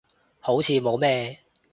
好似冇咩